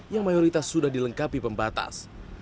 yang mayoritas sudah dilengkapi pembatas